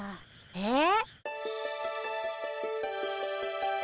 えっ？